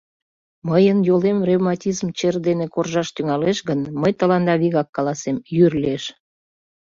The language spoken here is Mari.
Мыйын йолем ревматизм чер дене коржаш тӱҥалеш гын, мый тыланда вигак каласем — йӱр лиеш.